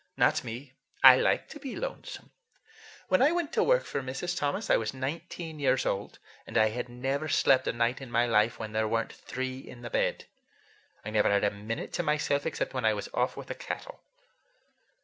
"Not me. I like to be lonesome. When I went to work for Mrs. Thomas I was nineteen years old, and I had never slept a night in my life when there were n't three in the bed. I never had a minute to myself except when I was off with the cattle."